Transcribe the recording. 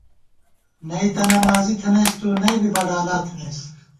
نئ تہ نمازی تھنَئیس تُو ، نئ بی بڈالا تھنَئیس